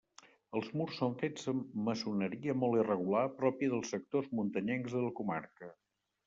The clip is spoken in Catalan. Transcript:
Els murs són fets amb maçoneria molt irregular pròpia dels sectors muntanyencs de la comarca.